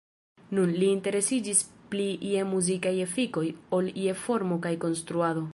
Nun, li interesiĝis pli je muzikaj efikoj ol je formo kaj konstruado.